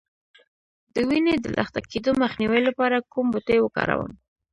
د وینې د لخته کیدو مخنیوي لپاره کوم بوټی وکاروم؟